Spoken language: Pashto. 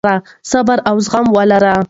صبر او زغم ولرئ.